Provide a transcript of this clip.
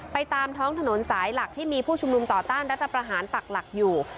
ตามท้องถนนสายหลักที่มีผู้ชุมนุมต่อต้านรัฐประหารปักหลักอยู่